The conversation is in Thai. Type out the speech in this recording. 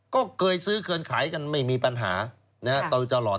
ก็เคยซื้อเคยขายกันไม่มีปัญหาตลอด